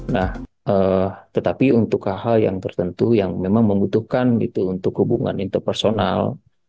nah tetapi untuk hal hal yang tertentu yang memang membutuhkan gitu untuk hubungan interpersonal